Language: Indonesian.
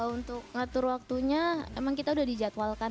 untuk ngatur waktunya emang kita udah dijadwalkan